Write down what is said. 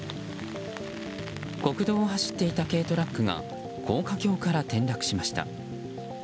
国道を走っていた軽トラックが高架橋から転落しました。